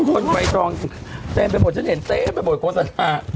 คนไวดองแด่งแบบบ่ดฉันเห็นเต๊ะแบบบ่ดโปสต์